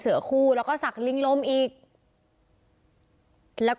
อุทธิวัฒน์อิสธิวัฒน์